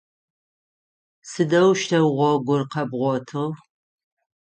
Сыдэущтэу гъогур къэбгъотыгъ?